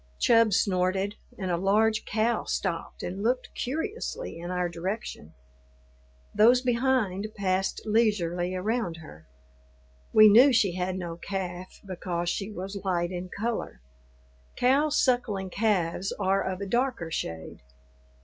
Chub snorted, and a large cow stopped and looked curiously in our direction. Those behind passed leisurely around her. We knew she had no calf, because she was light in color: cows suckling calves are of a darker shade.